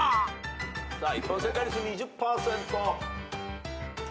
さあ一般正解率２０％。